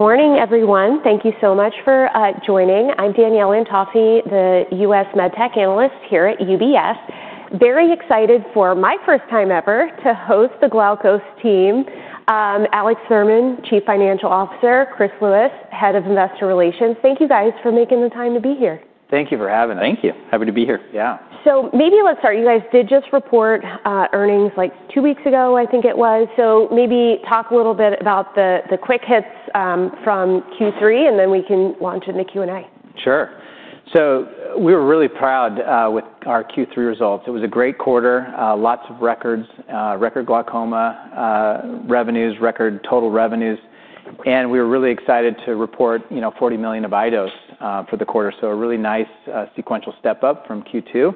Morning, everyone. Thank you so much for joining. I'm Danielle Antalffy, the U.S. MedTech analyst here at UBS. Very excited for my first time ever to host the Glaukos team. Alex Thurman, Chief Financial Officer, Chris Lewis, Head of Investor Relations. Thank you guys for making the time to be here. Thank you for having us. Thank you. Happy to be here. Yeah. Maybe let's start. You guys did just report earnings like two weeks ago, I think it was. Maybe talk a little bit about the quick hits from Q3, and then we can launch into Q&A. Sure. We were really proud, with our Q3 results. It was a great quarter, lots of records, record glaucoma revenues, record total revenues. We were really excited to report, you know, $40 million of iDose, for the quarter. A really nice, sequential step up from Q2.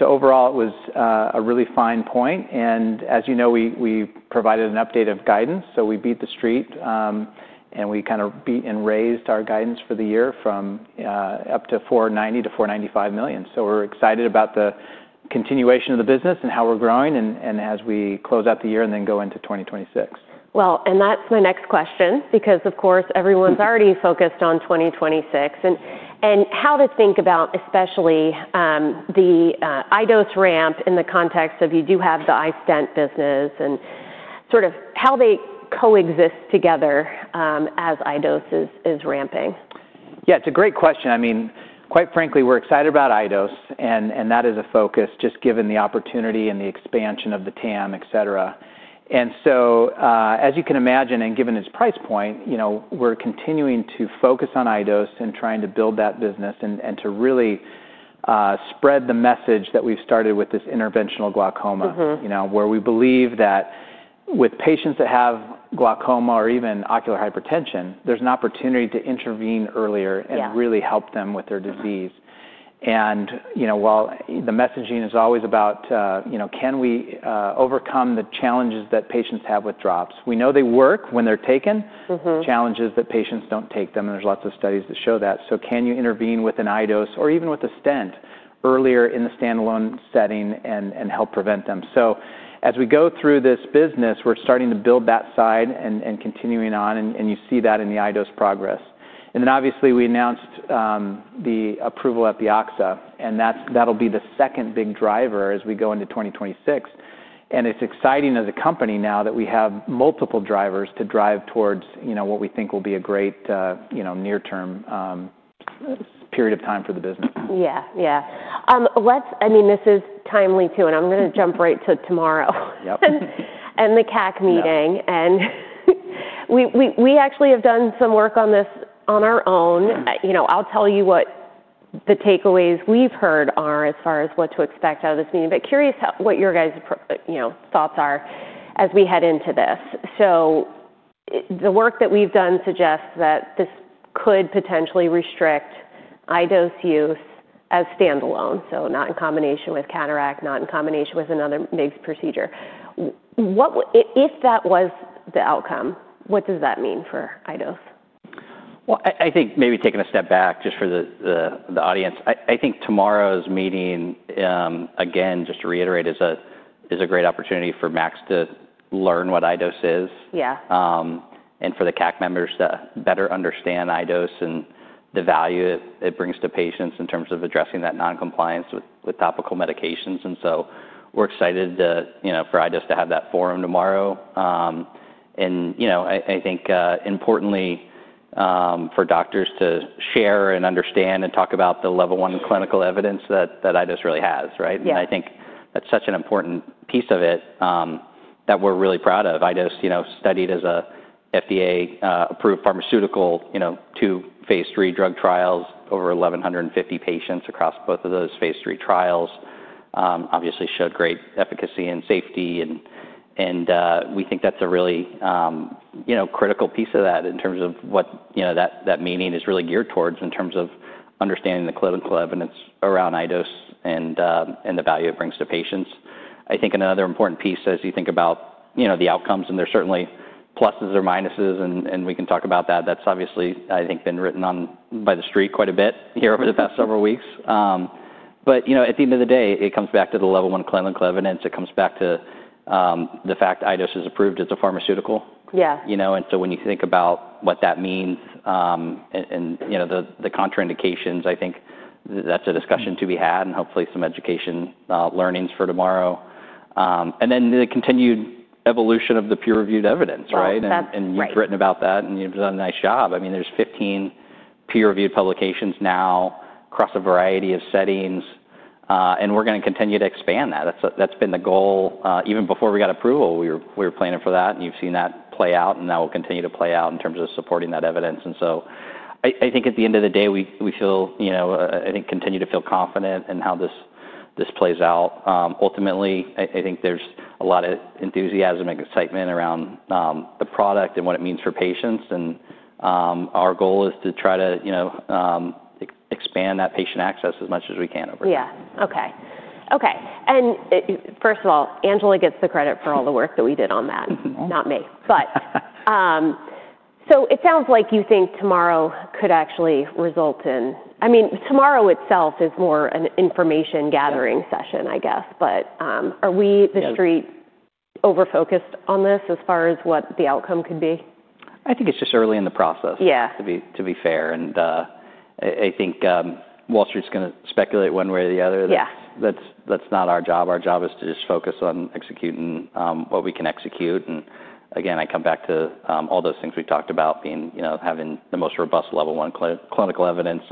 Overall, it was a really fine point. As you know, we provided an update of guidance. We beat the street, and we kind of beat and raised our guidance for the year from $490 million-$495 million. We're excited about the continuation of the business and how we're growing as we close out the year and then go into 2026. That's my next question, because, of course, everyone's already focused on 2026, and how to think about, especially, the iDose ramp in the context of you do have the iStent business and sort of how they coexist together, as iDose is ramping. Yeah, it's a great question. I mean, quite frankly, we're excited about iDose, and that is a focus just given the opportunity and the expansion of the TAM, et cetera. As you can imagine, and given its price point, you know, we're continuing to focus on iDose and trying to build that business and to really spread the message that we've started with this interventional glaucoma. You know, where we believe that with patients that have glaucoma or even ocular hypertension, there's an opportunity to intervene earlier and really help them with their disease. You know, while the messaging is always about, you know, can we overcome the challenges that patients have with drops? We know they work when they're taken. Challenges that patients do not take them, and there are lots of studies that show that. Can you intervene with an iDose or even with a stent earlier in the standalone setting and help prevent them? As we go through this business, we are starting to build that side and continuing on, and you see that in the iDose progress. Obviously, we announced the approval at the Epioxa, and that will be the second big driver as we go into 2026. It is exciting as a company now that we have multiple drivers to drive towards what we think will be a great near-term period of time for the business. Yeah, yeah. I mean, this is timely too, and I'm gonna jump right to tomorrow. Yep. And the CAC meeting. We actually have done some work on this on our own. You know, I'll tell you what the takeaways we've heard are as far as what to expect out of this meeting. Curious what your guys' thoughts are as we head into this. The work that we've done suggests that this could potentially restrict iDose use as standalone, so not in combination with cataract, not in combination with another MIGS procedure. If that was the outcome, what does that mean for iDose? I think maybe taking a step back just for the audience, I think tomorrow's meeting, again, just to reiterate, is a great opportunity for Max to learn what iDose is.and for the CAC members to better understand iDose and the value it, it brings to patients in terms of addressing that noncompliance with, with topical medications. We're excited to, you know, for iDose to have that forum tomorrow. I think, importantly, for doctors to share and understand and talk about the level one clinical evidence that, that iDose really has, right? Yeah. I think that's such an important piece of it, that we're really proud of. iDose, you know, studied as a FDA-approved pharmaceutical, you know, two phase III drug trials, over 1,150 patients across both of those phase III trials, obviously showed great efficacy and safety. We think that's a really, you know, critical piece of that in terms of what, you know, that meaning is really geared towards in terms of understanding the clinical evidence around iDose and the value it brings to patients. I think another important piece as you think about, you know, the outcomes, and there's certainly pluses or minuses, and we can talk about that. That's obviously, I think, been written on by the street quite a bit here over the past several weeks. But, you know, at the end of the day, it comes back to the level one clinical evidence. It comes back to the fact iDose is approved as a pharmaceutical. You know, and so when you think about what that means, and, you know, the contraindications, I think that's a discussion to be had and hopefully some education, learnings for tomorrow, and then the continued evolution of the peer-reviewed evidence, right? Oh, that's great. You've written about that, and you've done a nice job. I mean, there are 15 peer-reviewed publications now across a variety of settings, and we're gonna continue to expand that. That's been the goal. Even before we got approval, we were planning for that, and you've seen that play out, and that will continue to play out in terms of supporting that evidence. I think at the end of the day, we feel, you know, I think continue to feel confident in how this plays out. Ultimately, I think there's a lot of enthusiasm and excitement around the product and what it means for patients. Our goal is to try to, you know, expand that patient access as much as we can over time. Yeah. Okay. Okay. First of all, Angela gets the credit for all the work that we did on that Not me, but, so it sounds like you think tomorrow could actually result in, I mean, tomorrow itself is more an information-gathering session, I guess, but, are we the street overfocused on this as far as what the outcome could be? I think it's just early in the process. Yeah. To be fair, I think Wall Street's gonna speculate one way or the other. Yeah. That's not our job. Our job is to just focus on executing what we can execute. I come back to all those things we've talked about, you know, having the most robust level one clinical evidence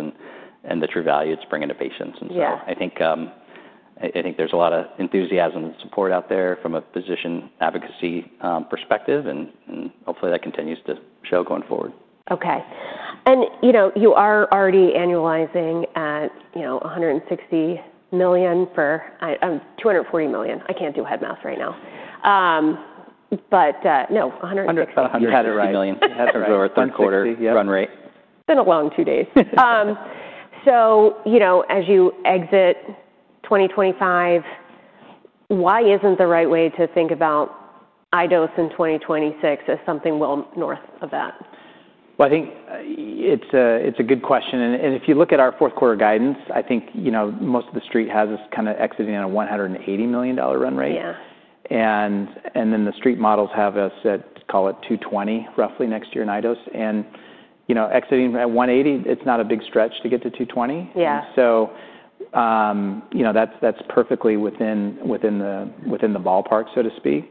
and the true value it's bringing to patients I think there's a lot of enthusiasm and support out there from a physician advocacy perspective, and hopefully that continues to show going forward. Okay. And, you know, you are already annualizing at, you know, $160 million for, $240 million. I can't do head math right now. but, no, $160 million. About $160 million. You had it right. That's our third quarter run rate. It's been a long two days. So, you know, as you exit 2025, why isn't the right way to think about iDose in 2026 as something well north of that? I think it's a good question. And if you look at our fourth quarter guidance, I think, you know, most of the street has us kind of exiting at a $180 million run rate. The street models have us at, call it $220 million roughly next year in iDose. And, you know, exiting at $180 million, it is not a big stretch to get to $220 million. Yeah. You know, that's perfectly within the ballpark, so to speak.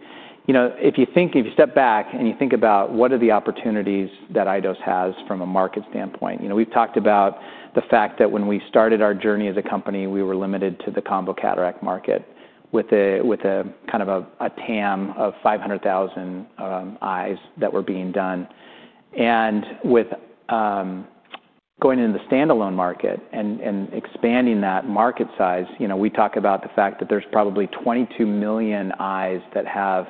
You know, if you step back and you think about what are the opportunities that iDose has from a market standpoint, you know, we've talked about the fact that when we started our journey as a company, we were limited to the combo cataract market with a kind of a TAM of 500,000 eyes that were being done. With going into the standalone market and expanding that market size, you know, we talk about the fact that there's probably 22 million eyes that have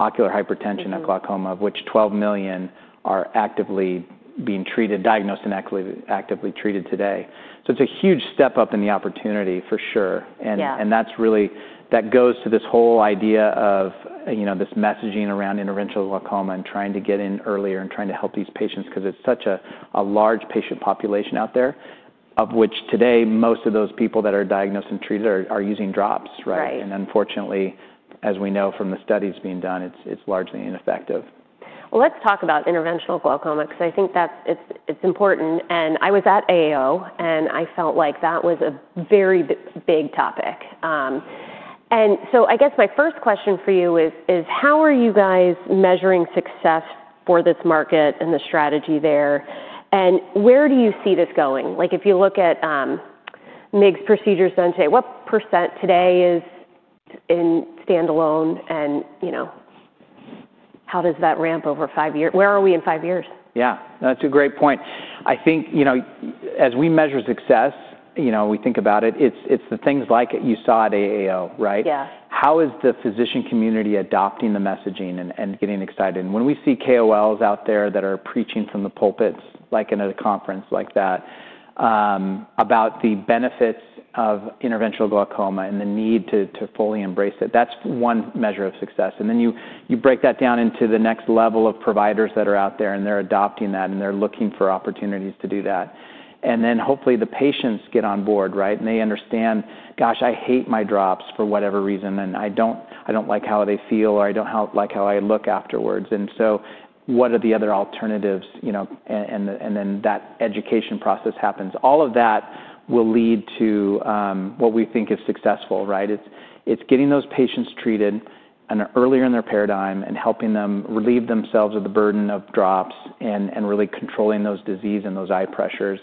ocular hypertension and glaucoma, of which 12 million are actively being treated, diagnosed and actively treated today. It's a huge step up in the opportunity for sure. Yeah.That goes to this whole idea of, you know, this messaging around interventional glaucoma and trying to get in earlier and trying to help these patients 'cause it's such a large patient population out there, of which today most of those people that are diagnosed and treated are using drops, right? Unfortunately, as we know from the studies being done, it's largely ineffective. Let's talk about interventional glaucoma 'cause I think that's, it's, it's important. I was at AAO, and I felt like that was a very big topic. I guess my first question for you is, how are you guys measuring success for this market and the strategy there? Where do you see this going? Like, if you look at MIGS procedures done today, what % today is in standalone? You know, how does that ramp over five years? Where are we in five years? Yeah. That's a great point. I think, you know, as we measure success, you know, we think about it, it's the things like you saw at AAO, right? How is the physician community adopting the messaging and getting excited? When we see KOLs out there that are preaching from the pulpits, like in a conference like that, about the benefits of interventional glaucoma and the need to fully embrace it, that's one measure of success. You break that down into the next level of providers that are out there, and they're adopting that, and they're looking for opportunities to do that. Hopefully the patients get on board, right? They understand, gosh, I hate my drops for whatever reason, and I don't like how they feel, or I don't like how I look afterwards. What are the other alternatives, you know, and then that education process happens. All of that will lead to what we think is successful, right? It's getting those patients treated earlier in their paradigm and helping them relieve themselves of the burden of drops and really controlling those disease and those eye pressures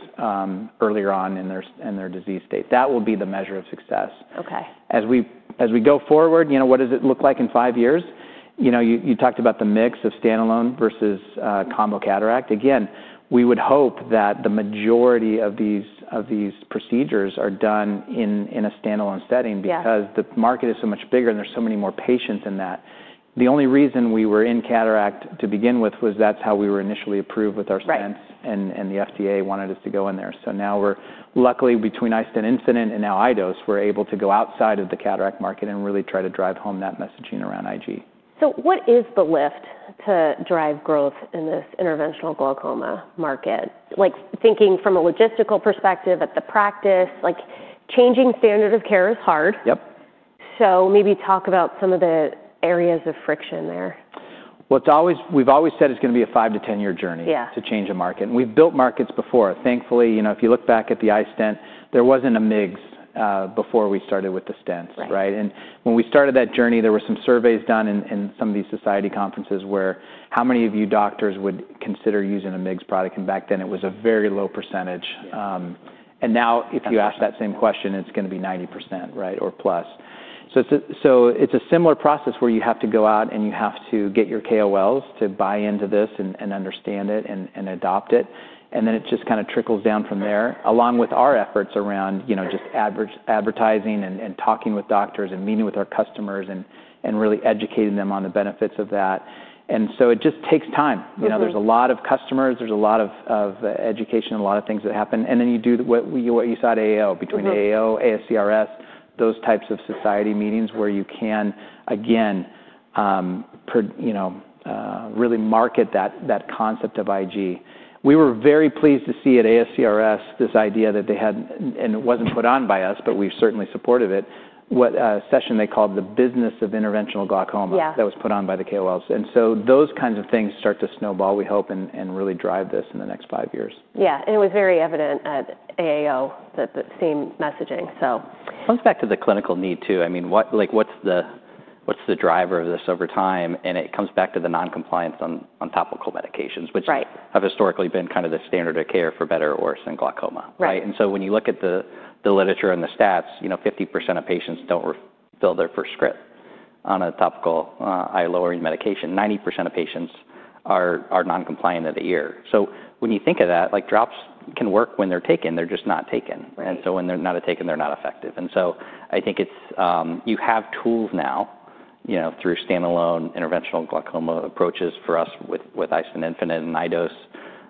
earlier on in their disease state. That will be the measure of success. As we go forward, you know, what does it look like in five years? You know, you talked about the mix of standalone versus combo cataract. Again, we would hope that the majority of these procedures are done in a standalone setting because the market is so much bigger and there's so many more patients in that. The only reason we were in cataract to begin with was that's how we were initially approved with our stents. The FDA wanted us to go in there. Now we're luckily between iStent Infinite and now iDose, we're able to go outside of the cataract market and really try to drive home that messaging around IG. What is the lift to drive growth in this interventional glaucoma market? Like, thinking from a logistical perspective at the practice, like, changing standard of care is hard. Yep. Maybe talk about some of the areas of friction there. It is always, we have always said it is gonna be a five to ten-year journey. Yeah. To change a market. We've built markets before. Thankfully, you know, if you look back at the iStent, there was not a MIGS before we started with the stents. Right. Right? When we started that journey, there were some surveys done in some of these society conferences where, how many of you doctors would consider using a MIGS product? Back then it was a very low percentage. If you ask that same question, it's gonna be 90% or 90%+. It's a similar process where you have to go out and you have to get your KOLs to buy into this and understand it and adopt it. Then it just kind of trickles down from there along with our efforts around, you know, just advertising and talking with doctors and meeting with our customers and really educating them on the benefits of that. It just takes time. Yeah.You know, there's a lot of customers, there's a lot of education, a lot of things that happen. You do what we, what you saw at AAO, between AAO, ASCRS, those types of society meetings where you can, again, really market that concept of IG. We were very pleased to see at ASCRS this idea that they had, and it was not put on by us, but we certainly supported it, what a session they called the Business of Interventional Glaucoma. That was put on by the KOLs. Those kinds of things start to snowball, we hope, and really drive this in the next five years. Yeah. It was very evident at AAO that the same messaging, so. It comes back to the clinical need too. I mean, what, like, what's the, what's the driver of this over time? It comes back to the noncompliance on, on topical medications, which have historically been kind of the standard of care for better or worse in glaucoma. Right. Right? And when you look at the literature and the stats, you know, 50% of patients do not refill their prescript on a topical, eye lowering medication. 90% of patients are noncompliant at a year. When you think of that, like, drops can work when they're taken, they're just not taken. When they're not taken, they're not effective. I think it's, you have tools now, you know, through standalone interventional glaucoma approaches for us with, with iStent infinite and iDose,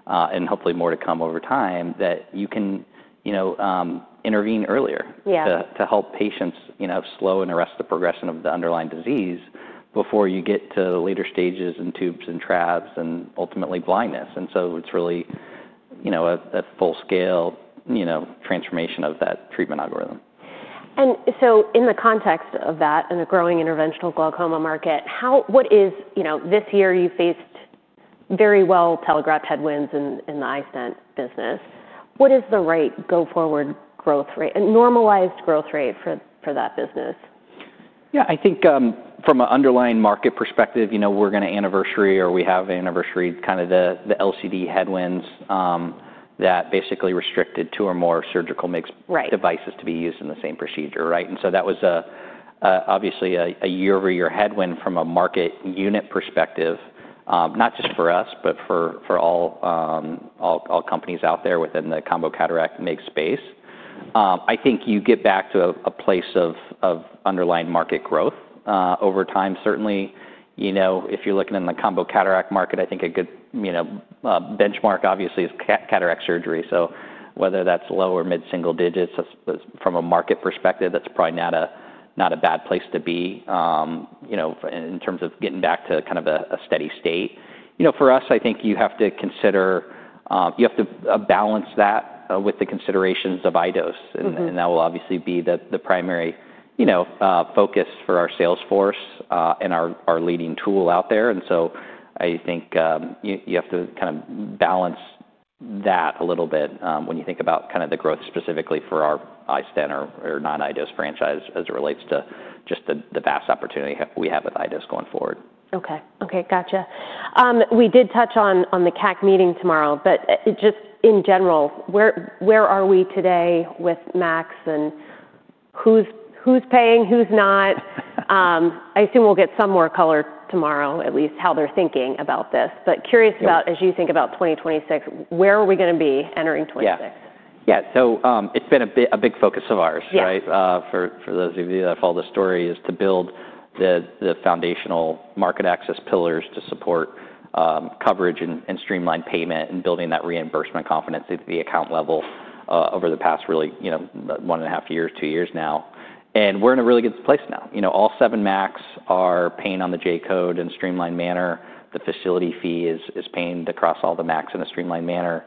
and hopefully more to come over time that you can, you know, intervene earlier. Yeah. To help patients, you know, slow and arrest the progression of the underlying disease before you get to later stages and tubes and trabs and ultimately blindness. It's really, you know, a full-scale, you know, transformation of that treatment algorithm. In the context of that and a growing interventional glaucoma market, how, what is, you know, this year you faced very well telegraphed headwinds in the iStent business. What is the right go-forward growth rate and normalized growth rate for that business? Yeah. I think, from an underlying market perspective, you know, we're gonna anniversary or we have anniversary kind of the, the LCD headwinds, that basically restricted two or more surgical MIGS devices to be used in the same procedure, right? That was obviously a year-over-year headwind from a market unit perspective, not just for us, but for all companies out there within the combo cataract MIGS space. I think you get back to a place of underlying market growth over time. Certainly, you know, if you're looking in the combo cataract market, I think a good benchmark obviously is cataract surgery. Whether that's low or mid-single digits, that's from a market perspective, that's probably not a bad place to be, you know, in terms of getting back to kind of a steady state. You know, for us, I think you have to consider, you have to balance that with the considerations of iDose. Right.That will obviously be the primary, you know, focus for our sales force, and our leading tool out there. I think you have to kind of balance that a little bit, when you think about kind of the growth specifically for our iStent or non-iDose franchise as it relates to just the vast opportunity we have with iDose going forward. Okay. Okay. Gotcha. We did touch on, on the CAC meeting tomorrow, but just in general, where are we today with MACs and who's paying, who's not? I assume we'll get some more color tomorrow, at least how they're thinking about this. Curious about as you think about 2026, where are we gonna be entering 2026? Yeah. Yeah. It's been a big, a big focus of ours, right? For those of you that follow the story, it is to build the foundational market access pillars to support coverage and streamlined payment and building that reimbursement confidence at the account level over the past really, you know, one and a half years, two years now. We are in a really good place now. You know, all seven MACs are paying on the J code in a streamlined manner. The facility fee is paying across all the MACs in a streamlined manner.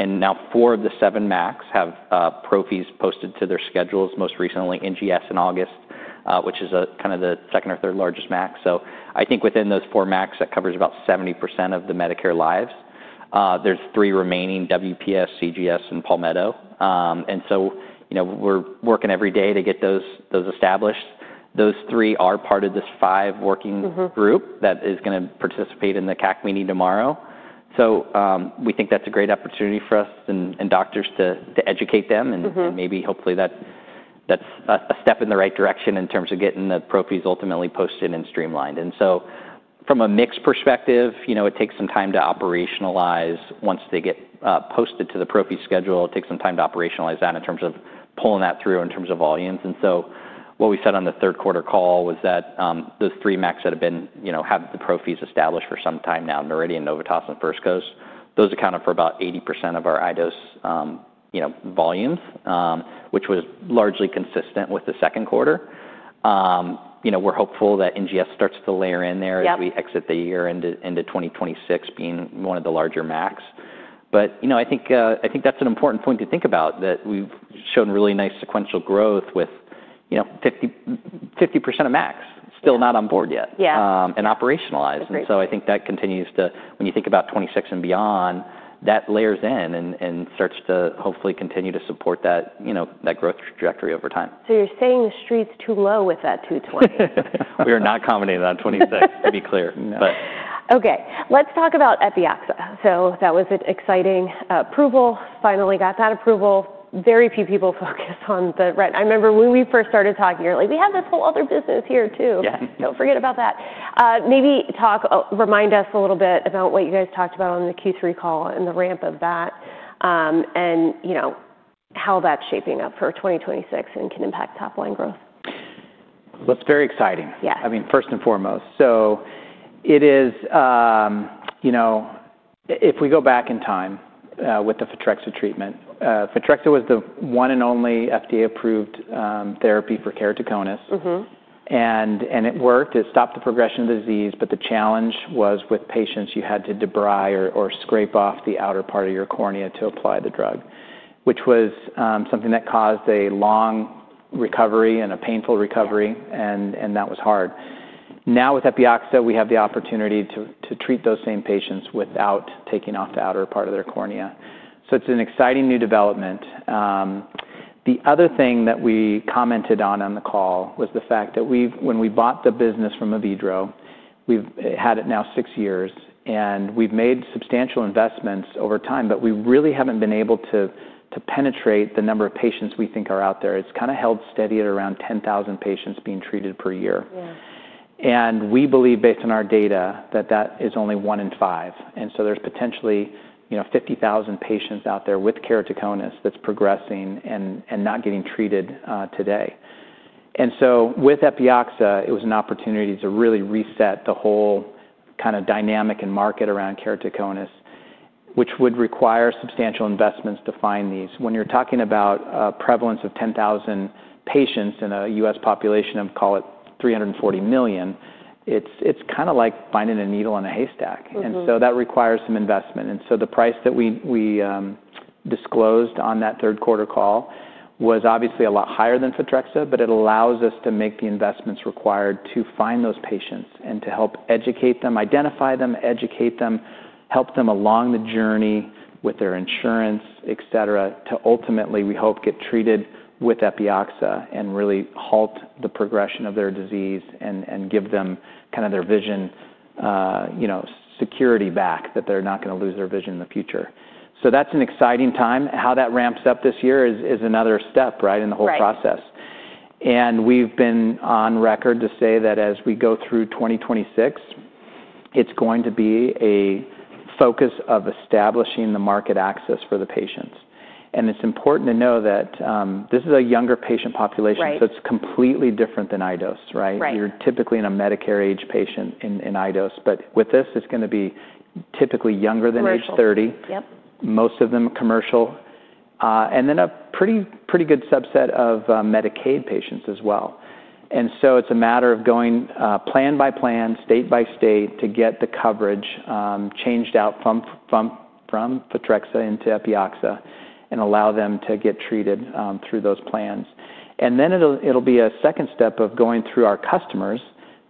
Now four of the seven MACs have pro fees posted to their schedules, most recently NGS in August, which is kind of the second or third largest MAC. I think within those four MACs, that covers about 70% of the Medicare lives. There are three remaining: WPS, CGS, and Palmetto and so, you know, we're working every day to get those established. Those three are part of this five working group that is gonna participate in the CAC meeting tomorrow. We think that's a great opportunity for us and doctors to educate them. Maybe hopefully that is a step in the right direction in terms of getting the pro fees ultimately posted and streamlined. From a MIGS perspective, you know, it takes some time to operationalize once they get posted to the pro fee schedule. It takes some time to operationalize that in terms of pulling that through in terms of volumes. What we said on the third quarter call was that those three MACs that have been, you know, have the pro fees established for some time now, Meridian, Novitas, and First Coast, those accounted for about 80% of our iDose, you know, volumes, which was largely consistent with the second quarter. You know, we're hopeful that NGS starts to layer in there as we exit the year into 2026 being one of the larger MACs. You know, I think that's an important point to think about that we've shown really nice sequential growth with 50% of MACs still not on board yet and operationalized. Okay.I think that continues to, when you think about 2026 and beyond, that layers in and starts to hopefully continue to support that, you know, that growth trajectory over time. You're saying the street's too low with that $220. We are not commenting on 2026, to be clear. Okay. Let's talk about EPIAXA. That was an exciting approval. Finally got that approval. Very few people focus on the right. I remember when we first started talking, you're like, "We have this whole other business here too. Don't forget about that. Maybe talk, remind us a little bit about what you guys talked about on the Q3 call and the ramp of that, and, you know, how that's shaping up for 2026 and can impact top-line growth. It's very exciting. Yeah. I mean, first and foremost. It is, you know, if we go back in time, with the Photrexa treatment, Photrexa was the one and only FDA-approved, therapy for keratoconus It worked. It stopped the progression of the disease, but the challenge was with patients, you had to debride or scrape off the outer part of your cornea to apply the drug, which was something that caused a long recovery and a painful recovery. That was hard. Now with EPIAXA, we have the opportunity to treat those same patients without taking off the outer part of their cornea. It is an exciting new development. The other thing that we commented on on the call was the fact that when we bought the business from Avedro, we have had it now six years, and we have made substantial investments over time, but we really have not been able to penetrate the number of patients we think are out there. It has kind of held steady at around 10,000 patients being treated per year. We believe, based on our data, that that is only one in five. There is potentially, you know, 50,000 patients out there with keratoconus that is progressing and not getting treated today. With EPIAXA, it was an opportunity to really reset the whole kind of dynamic and market around keratoconus, which would require substantial investments to find these. When you are talking about a prevalence of 10,000 patients in a U.S. population of, call it, 340 million, it is kind of like finding a needle in a haystack. Mm-hmm.That requires some investment. The price that we disclosed on that third quarter call was obviously a lot higher than Photrexa, but it allows us to make the investments required to find those patients and to help educate them, identify them, educate them, help them along the journey with their insurance, etc., to ultimately, we hope, get treated with EPIAXA and really halt the progression of their disease and give them kind of their vision, you know, security back that they're not gonna lose their vision in the future. That is an exciting time. How that ramps up this year is another step, right, in the whole process. Right.We have been on record to say that as we go through 2026, it is going to be a focus of establishing the market access for the patients. It is important to know that this is a younger patient population and it's completely different than iDose, right? Right. You're typically in a Medicare-age patient in, in iDose. But with this, it's gonna be typically younger than age 30. Right. Yep. Most of them commercial, and then a pretty, pretty good subset of Medicaid patients as well. It is a matter of going plan by plan, state by state to get the coverage changed out from Photrexa into Epioxa and allow them to get treated through those plans. It will be a second step of going through our customers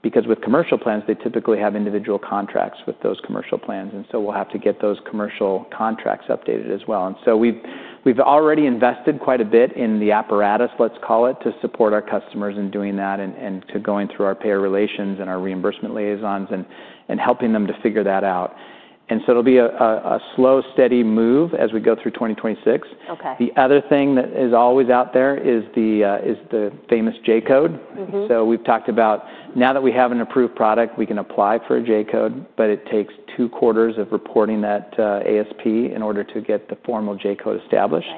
because with commercial plans, they typically have individual contracts with those commercial plans. We will have to get those commercial contracts updated as well. We have already invested quite a bit in the apparatus, let's call it, to support our customers in doing that and to going through our payer relations and our reimbursement liaisons and helping them to figure that out. It will be a slow, steady move as we go through 2026. Okay. The other thing that is always out there is the, is the famous J-code. We've talked about now that we have an approved product, we can apply for a J-code, but it takes two quarters of reporting that ASP in order to get the formal J-code established.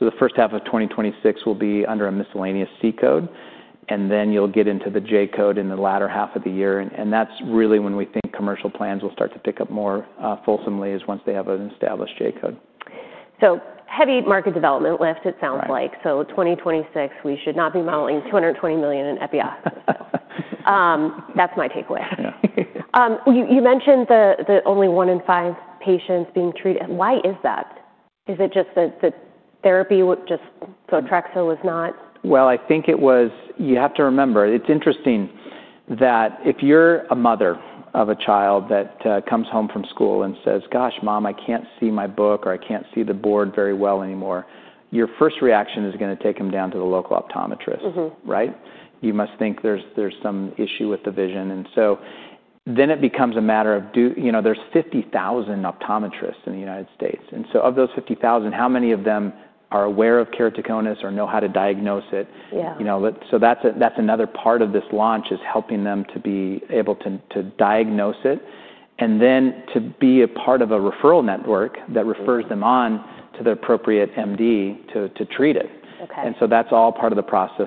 The first half of 2026 will be under a miscellaneous C-code, and then you'll get into the J-code in the latter half of the year. And that's really when we think commercial plans will start to pick up more, fulsomely is once they have an established J-code. Heavy market development left, it sounds like. 2026, we should not be modeling $220 million in EPIAXA. That's my takeaway. You mentioned the only one in five patients being treated. Why is that? Is it just that the therapy would just, so Trexxa was not? I think it was, you have to remember, it's interesting that if you're a mother of a child that comes home from school and says, "Gosh, Mom, I can't see my book or I can't see the board very well anymore," your first reaction is gonna take them down to the local optometrist. Right? You must think there's some issue with the vision. And so then it becomes a matter of do, you know, there's 50,000 optometrists in the United States. And so of those 50,000, how many of them are aware of keratoconus or know how to diagnose it? Yeah. You know, that, so that's another part of this launch is helping them to be able to diagnose it and then to be a part of a referral network that refers them on to the appropriate MD to treat it. Okay. That's all part of the process.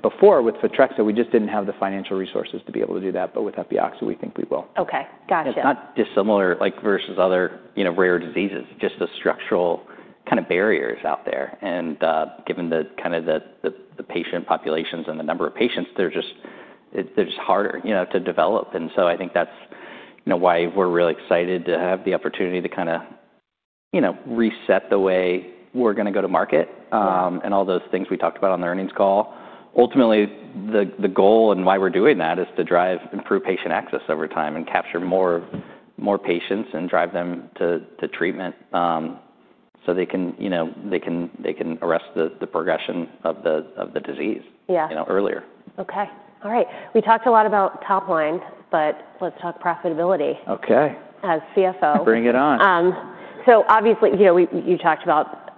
Before with Photrexa, we just didn't have the financial resources to be able to do that. With EPIAXA, we think we will. Okay. Gotcha. It's not dissimilar, like, versus other, you know, rare diseases. Just the structural kind of barriers out there. Given the kind of the patient populations and the number of patients, they're just harder, you know, to develop. I think that's, you know, why we're really excited to have the opportunity to kind of, you know, reset the way we're gonna go to market and all those things we talked about on the earnings call. Ultimately, the goal and why we're doing that is to drive, improve patient access over time and capture more patients and drive them to treatment, so they can, you know, they can arrest the progression of the disease. Yeah. You know, earlier. Okay. All right. We talked a lot about top line, but let's talk profitability. Okay. As CFO. Bring it on. Obviously, you know, we, you talked about,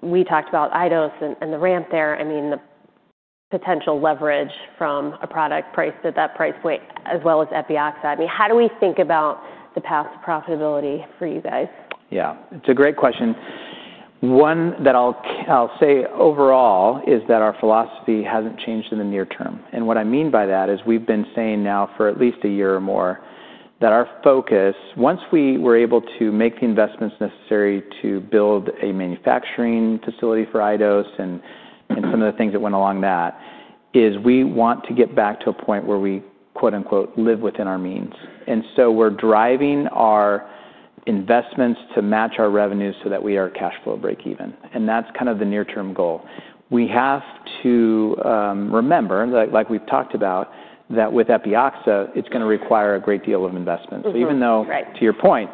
we talked about iDose and the ramp there. I mean, the potential leverage from a product priced at that price point as well as EPIAXA. I mean, how do we think about the path to profitability for you guys? Yeah. It's a great question. One that I'll say overall is that our philosophy hasn't changed in the near term. What I mean by that is we've been saying now for at least a year or more that our focus, once we were able to make the investments necessary to build a manufacturing facility for iDose and some of the things that went along with that, is we want to get back to a point where we "live within our means." We're driving our investments to match our revenues so that we are cash flow break even. That's kind of the near-term goal. We have to remember, like we've talked about, that with EPIAXA, it's gonna require a great deal of investment even though to your point,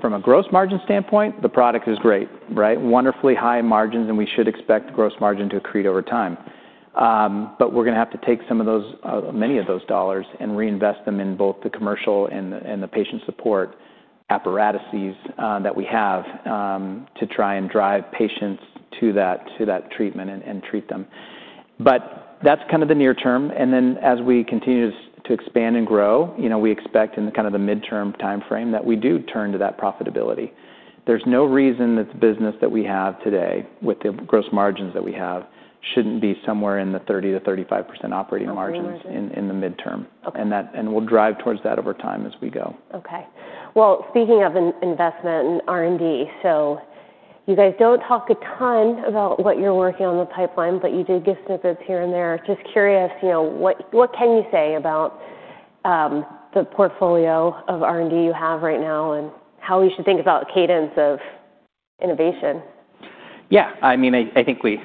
from a gross margin standpoint, the product is great, right? Wonderfully high margins, and we should expect gross margin to accrete over time. We're gonna have to take some of those, many of those dollars and reinvest them in both the commercial and the patient support apparatuses that we have, to try and drive patients to that, to that treatment and treat them. That's kind of the near term. As we continue to expand and grow, you know, we expect in the kind of the midterm timeframe that we do turn to that profitability. There's no reason that the business that we have today with the gross margins that we have shouldn't be somewhere in the 30%-35% operating margins. Operating margins. In the midterm. Okay. That, and we'll drive towards that over time as we go. Okay. Speaking of investment and R&D, you guys don't talk a ton about what you're working on in the pipeline, but you did give snippets here and there. Just curious, you know, what can you say about the portfolio of R&D you have right now and how we should think about cadence of innovation? Yeah. I mean, I think we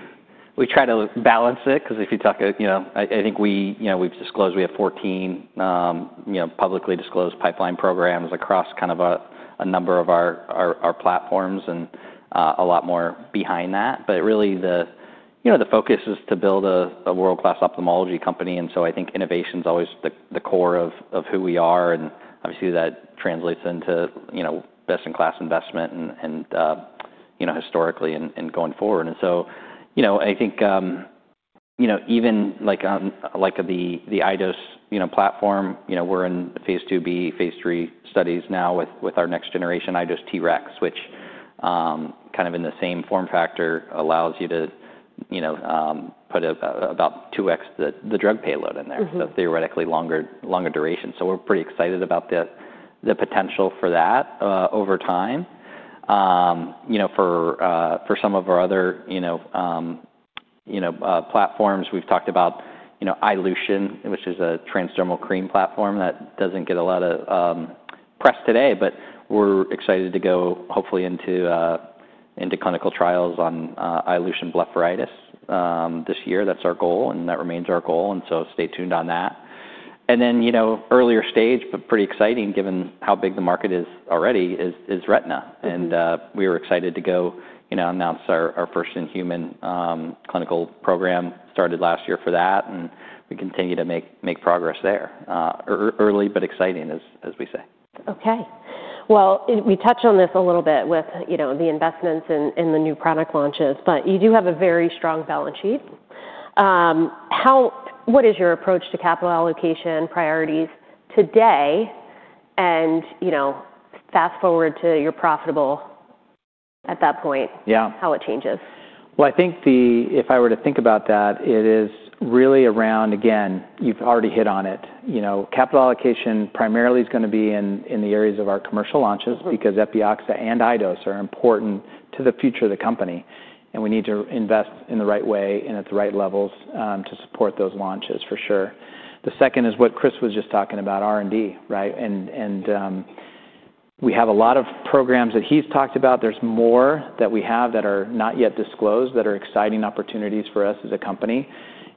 try to balance it 'cause if you talk to, you know, I think we, you know, we've disclosed we have 14, you know, publicly disclosed pipeline programs across kind of a number of our platforms and a lot more behind that. Really, the focus is to build a world-class ophthalmology company. I think innovation's always the core of who we are. Obviously, that translates into best-in-class investment and, you know, historically and going forward. You know, I think, you know, even like the iDose, you know, platform, we're in phase IIb, phase III studies now with our next-generation iDose TREX, which, kind of in the same form factor, allows you to put about 2x the drug payload in there. Theoretically longer, longer duration. We're pretty excited about the potential for that over time. You know, for some of our other, you know, platforms, we've talked about, you know, iLution, which is a transdermal cream platform that doesn't get a lot of press today, but we're excited to go hopefully into clinical trials on iLution blepharitis this year. That's our goal, and that remains our goal. Stay tuned on that. Earlier stage, but pretty exciting given how big the market is already, is Retina and we were excited to go, you know, announce our first in-human clinical program started last year for that, and we continue to make progress there. Early, but exciting as we say. Okay. We touched on this a little bit with, you know, the investments and the new product launches, but you do have a very strong balance sheet. How, what is your approach to capital allocation priorities today? And, you know, fast forward to your profitable at that point. Yeah. How it changes. I think the, if I were to think about that, it is really around, again, you've already hit on it. You know, capital allocation primarily is gonna be in, in the areas of our commercial launches because Epioxa and iDose are important to the future of the company, and we need to invest in the right way and at the right levels, to support those launches for sure. The second is what Chris was just talking about, R&D, right? We have a lot of programs that he's talked about. There's more that we have that are not yet disclosed that are exciting opportunities for us as a company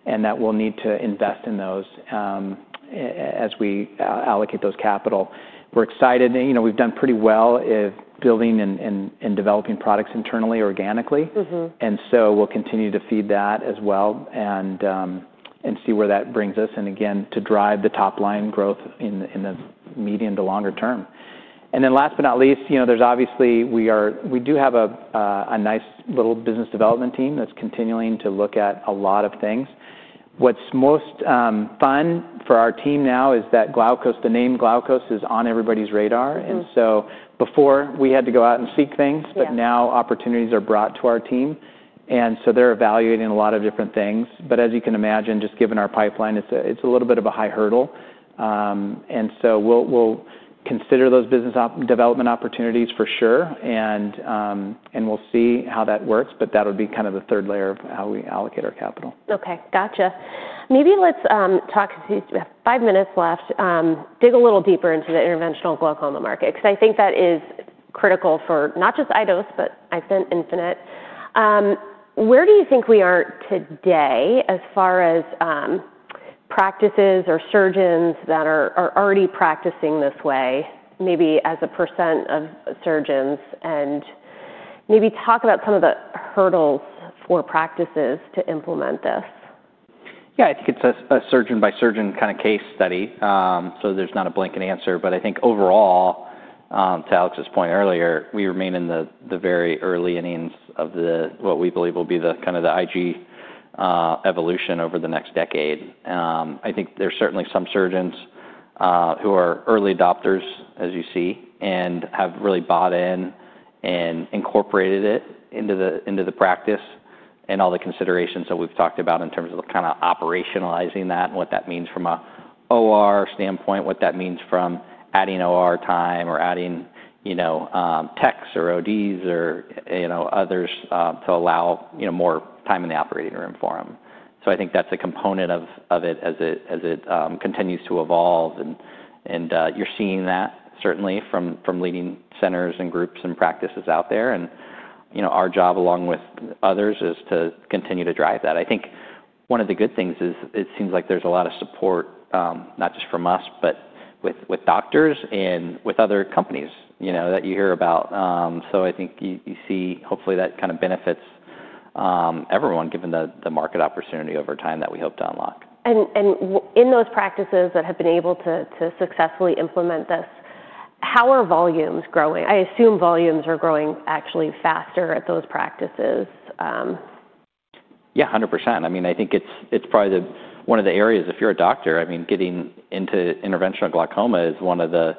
and that we'll need to invest in those as we allocate those capital. We're excited, and, you know, we've done pretty well in building and developing products internally organically. Mm-hmm.We will continue to feed that as well and see where that brings us and, again, to drive the top line growth in the medium to longer term. Last but not least, you know, we do have a nice little business development team that's continuing to look at a lot of things. What's most fun for our team now is that Glaukos, the name Glaukos is on everybody's radar Before we had to go out and seek thingsand now opportunities are brought to our team now, and so they're evaluating a lot of different things. As you can imagine, just given our pipeline, it's a little bit of a high hurdle. We will consider those business op development opportunities for sure, and we'll see how that works, but that would be kind of the third layer of how we allocate our capital. Okay. Gotcha. Maybe let's, talk to, we have five minutes left, dig a little deeper into the interventional glaucoma market 'cause I think that is critical for not just iDose, but iStent infinite. Where do you think we are today as far as, practices or surgeons that are, are already practicing this way, maybe as a percent of surgeons? And maybe talk about some of the hurdles for practices to implement this. Yeah. I think it's a surgeon-by-surgeon kind of case study, so there's not a blanket answer. I think overall, to Alex's point earlier, we remain in the very early innings of what we believe will be the kind of the IG evolution over the next decade. I think there's certainly some surgeons who are early adopters, as you see, and have really bought in and incorporated it into the practice and all the considerations that we've talked about in terms of operationalizing that and what that means from an OR standpoint, what that means from adding OR time or adding, you know, techs or ODs or, you know, others, to allow, you know, more time in the operating room for them. I think that's a component of it as it continues to evolve. You are seeing that certainly from leading centers and groups and practices out there. You know, our job along with others is to continue to drive that. I think one of the good things is it seems like there is a lot of support, not just from us, but with doctors and with other companies, you know, that you hear about. I think you see hopefully that kind of benefits everyone given the market opportunity over time that we hope to unlock. In those practices that have been able to successfully implement this, how are volumes growing? I assume volumes are growing actually faster at those practices. Yeah. 100%. I mean, I think it's probably one of the areas, if you're a doctor, I mean, getting into interventional glaucoma is one of the,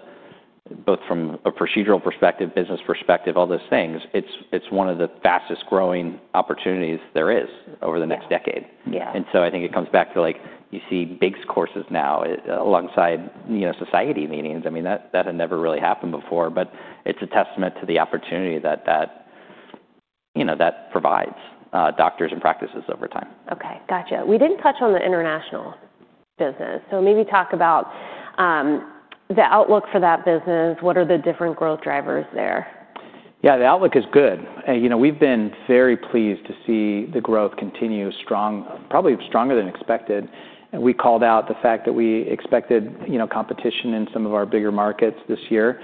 both from a procedural perspective, business perspective, all those things, it's one of the fastest growing opportunities there is over the next decade. I think it comes back to, like, you see big courses now alongside, you know, society meetings. I mean, that had never really happened before, but it's a testament to the opportunity that, you know, that provides doctors and practices over time. Okay. Gotcha. We didn't touch on the international business. Maybe talk about the outlook for that business. What are the different growth drivers there? Yeah. The outlook is good. And, you know, we've been very pleased to see the growth continue strong, probably stronger than expected. And we called out the fact that we expected, you know, competition in some of our bigger markets this year.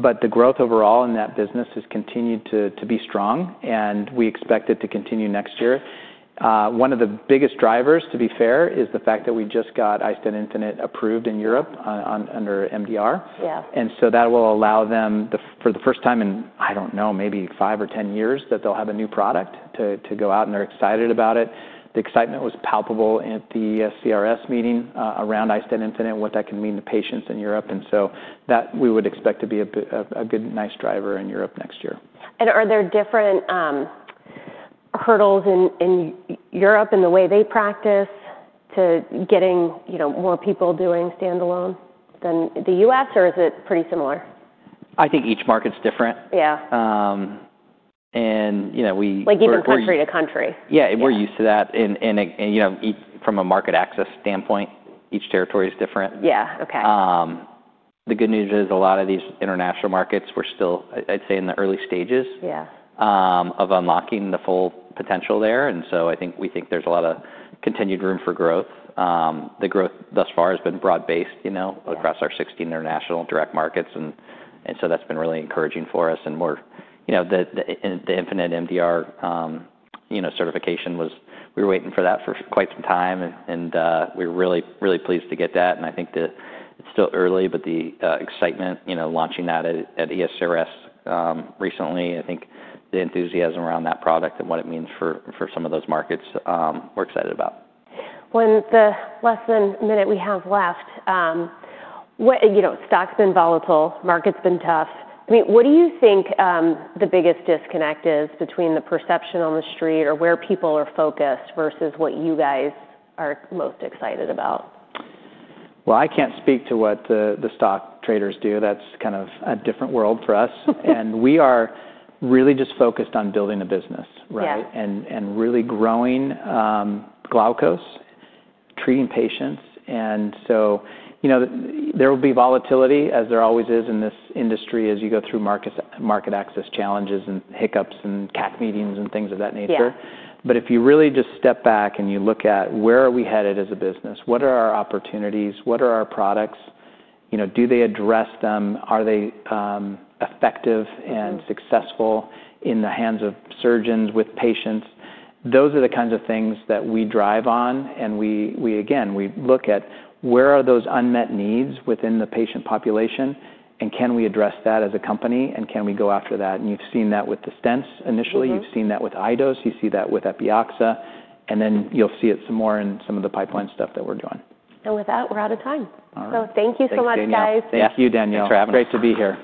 The growth overall in that business has continued to be strong, and we expect it to continue next year. One of the biggest drivers, to be fair, is the fact that we just got iStent infinite approved in Europe under MDR so that will allow them, for the first time in, I don't know, maybe five or 10 years, to have a new product to go out, and they're excited about it. The excitement was palpable at the ASCRS meeting, around iStent infinite, what that can mean to patients in Europe. We would expect that to be a good, nice driver in Europe next year. Are there different hurdles in Europe in the way they practice to getting, you know, more people doing standalone than the U.S., or is it pretty similar? I think each market's different. Yeah. And, you know, we. Like even country to country. Yeah. We're used to that. And, you know, from a market access standpoint, each territory is different. Yeah. Okay. The good news is a lot of these international markets, we're still, I'd say, in the early stages. Yeah. of unlocking the full potential there. I think we think there's a lot of continued room for growth. The growth thus far has been broad-based, you know, across our 16 international direct markets. That's been really encouraging for us. We're, you know, the infinite MDR certification was, we were waiting for that for quite some time. We were really, really pleased to get that. I think that it's still early, but the excitement, you know, launching that at ESRS recently, I think the enthusiasm around that product and what it means for some of those markets, we're excited about. In the less than minute we have left, what, you know, stock's been volatile, market's been tough. I mean, what do you think the biggest disconnect is between the perception on the street or where people are focused versus what you guys are most excited about? I can't speak to what the stock traders do. That's kind of a different world for us. We are really just focused on building the business, right? Yeah. Really growing, Glaukos, treating patients. And so, you know, there will be volatility, as there always is in this industry, as you go through markets, market access challenges and hiccups and CAC meetings and things of that nature. Yeah. If you really just step back and you look at where are we headed as a business, what are our opportunities, what are our products, you know, do they address them, are they effective and successful in the hands of surgeons with patients? Those are the kinds of things that we drive on. We again, we look at where are those unmet needs within the patient population and can we address that as a company and can we go after that? You've seen that with the stents initially. You've seen that with iDose. You see that with EPIAXA. You will see it some more in some of the pipeline stuff that we're doing. With that, we're out of time. All right. Thank you so much, guys. Thank you, Danielle. Thanks for having us. Great to be here.